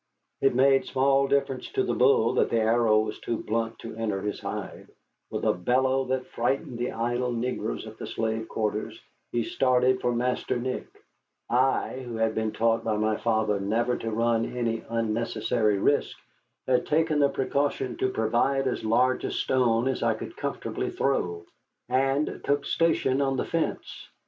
It made small difference to the bull that the arrow was too blunt to enter his hide. With a bellow that frightened the idle negroes at the slave quarters, he started for Master Nick. I, who had been taught by my father never to run any unnecessary risk, had taken the precaution to provide as large a stone as I could comfortably throw, and took station on the fence.